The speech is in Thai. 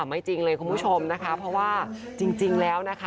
ไม่จริงเลยคุณผู้ชมนะคะเพราะว่าจริงแล้วนะคะ